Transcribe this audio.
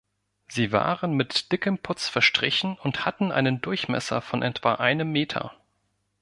Sie waren mit dickem Putz verstrichen und hatten einen Durchmesser von etwa einem Meter.